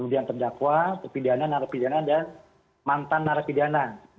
kemudian terdakwa terpidana narapidana dan mantan narapidana